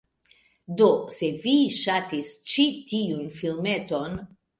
Do, se vi ŝatis ĉi tiun filmeton